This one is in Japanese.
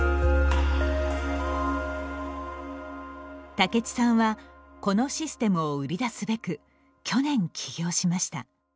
武智さんはこのシステムを売り出すべく去年、起業しました。